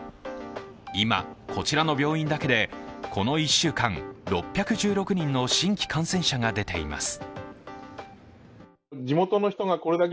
今、こちらの病院だけでこの１週間、６１６人の新規感染者が出ています。